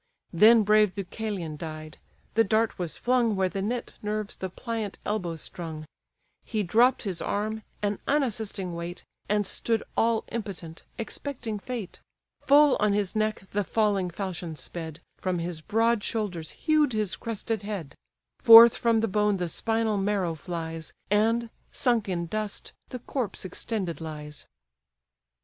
Then brave Deucalion died: the dart was flung Where the knit nerves the pliant elbow strung; He dropp'd his arm, an unassisting weight, And stood all impotent, expecting fate: Full on his neck the falling falchion sped, From his broad shoulders hew'd his crested head: Forth from the bone the spinal marrow flies, And, sunk in dust, the corpse extended lies.